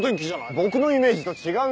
僕のイメージと違うんですよ。